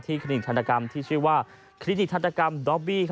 ที่คลินิคธรรมดิกรณกรรมที่ชื่อว่าคลินิคธรรมดราบี